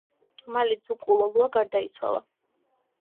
მალე ძუკუ ლოლუა გარდაიცვალა.